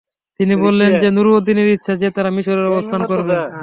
তিনি বলেন যে নুরউদ্দিনের ইচ্ছা যে তারা মিশরে অবস্থান করবেন।